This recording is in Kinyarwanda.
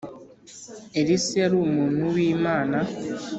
Elisa yari umuntu w’Imana